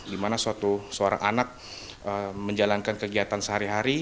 di mana seorang anak menjalankan kegiatan sehari hari